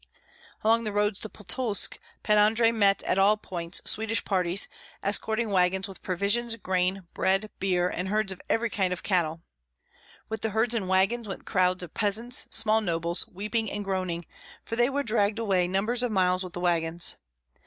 Along the roads to Pultusk, Pan Andrei met at all points Swedish parties, escorting wagons with provisions, grain, bread, beer, and herds of every kind of cattle. With the herds and wagons went crowds of peasants, small nobles, weeping and groaning, for they were dragged away numbers of miles with the wagons.